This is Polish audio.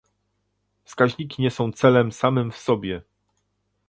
Wskaźniki nie są celem samym w sobie